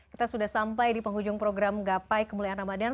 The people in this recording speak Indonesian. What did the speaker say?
kita sudah sampai di penghujung program gapai kemuliaan ramadhan